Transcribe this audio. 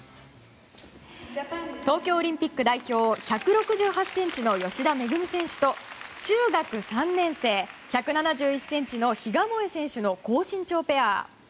東京オリンピック代表１６８ｃｍの吉田萌選手と中学３年生、１７１ｃｍの比嘉もえ選手の高身長ペア。